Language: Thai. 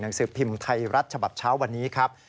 หนังสือพิมพ์ไทยรัฐฉบับเช้าวันนี้ครับ